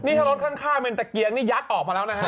นี่ถ้ารถข้างเป็นตะเกียงนี่ยักษ์ออกมาแล้วนะฮะ